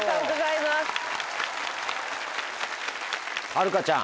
はるかちゃん。